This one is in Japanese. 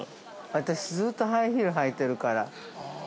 ◆私、ずっとハイヒール履いてるから。